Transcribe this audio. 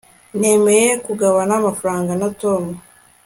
nemeye kugabana amafaranga na tom